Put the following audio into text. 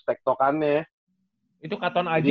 tek tok annya itu katon aji